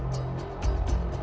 kasian tahu keatna